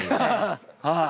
はい。